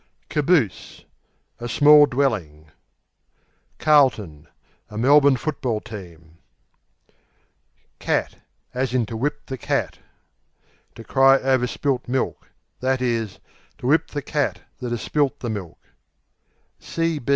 Caboose A small dwelling. Carlton A Melbourne Football Team. Cat, to whip the To cry over spilt milk; i.e. to whip the cat that has spilt the milk.